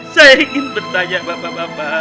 saya ingin bertanya bapak bapak